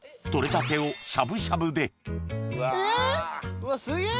うわすげぇ！